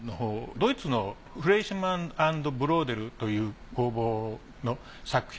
ドイツのフライシュマン＆ブローデルという工房の作品。